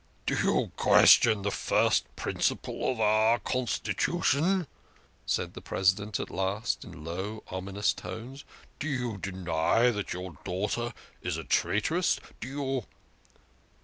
" Do you question the first principle of our constitution?" said the President at last, in low, ominous tones. " Do you deny that your daughter is a traitress? Do you